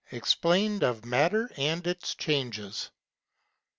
EXPLAINED OF MATTER AND ITS CHANGES.